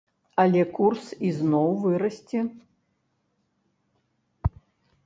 Але курс ізноў вырасце.